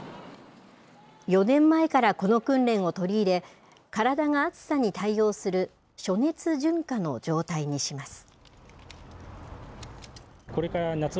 ４年前からこの訓練を取り入れ、体が暑さに対応する暑熱順化の状態にします。